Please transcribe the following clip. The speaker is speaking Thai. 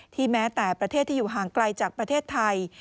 แม้แต่ประเทศที่อยู่ห่างไกลจากประเทศไทย